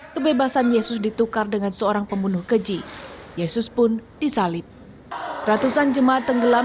kebebasan yesus ditukar dengan seorang pembunuh keji yesus pun disalib ratusan jemaah tenggelam